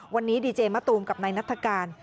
วันนี้ดีเจมะตูมกับนายนัฐกาล